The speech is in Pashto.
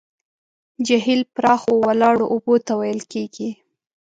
جهیل پراخو ولاړو اوبو ته ویل کیږي.